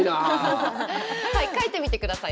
はい、書いてみてください。